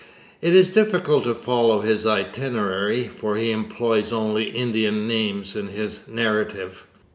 It is difficult to follow his itinerary, for he employs only Indian names in his narrative.